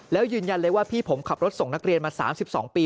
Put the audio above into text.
แล้วยืนยันเลยว่าพี่ผมขับรถส่งนักเรียนมา๓๒ปี